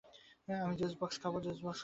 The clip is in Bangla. আমি জুস বক্স খাবো।